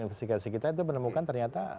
investigasi kita itu menemukan ternyata